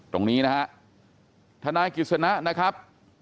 ตรงนี้นะครับธนาคิดศนะนะครับ